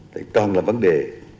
đấy toàn là vấn đề